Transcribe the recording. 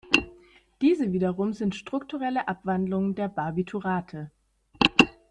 Diese wiederum sind strukturelle Abwandlungen der Barbiturate.